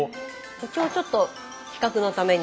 一応ちょっと比較のために。